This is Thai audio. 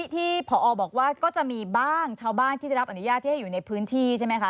ที่ผอบอกว่าก็จะมีบ้างชาวบ้านที่ได้รับอนุญาตที่ให้อยู่ในพื้นที่ใช่ไหมคะ